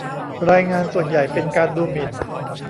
รายงานส่วนใหญ่เป็นการดูหมิ่น